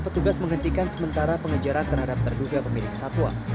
petugas menghentikan sementara pengejaran terhadap terduga pemilik satwa